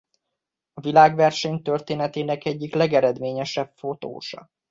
A világverseny történetének egyik legeredményesebb fotósa.